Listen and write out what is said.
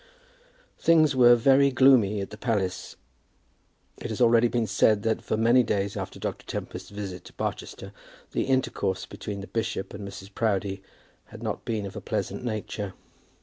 Things were very gloomy at the palace. It has been already said that for many days after Dr. Tempest's visit to Barchester the intercourse between the bishop and Mrs. Proudie had not been of a pleasant nature.